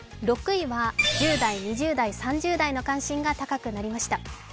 ６位は１０代、２０代、３０代の関心が高くなりました。